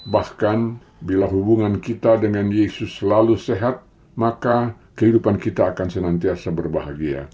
bahkan bila hubungan kita dengan yesus selalu sehat maka kehidupan kita akan senantiasa berbahagia